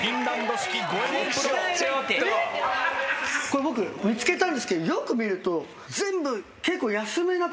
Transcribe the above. これ僕見つけたんですけどよく見ると全部結構。